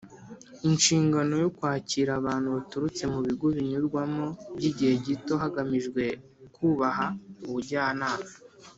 Inshingano yo kwakira abantu baturutse mu bigo binyurwamo by igihe gito hagamijwe kubaha ubujyanama